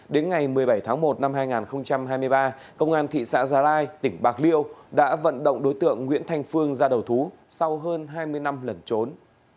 đến ngày một mươi bảy tháng một năm hai nghìn hai mươi ba công an thị xã gia lai tỉnh bạc liêu đã vận động đối tượng nguyễn thành phương ra đầu thú sau hơn hai mươi năm lẩn trốn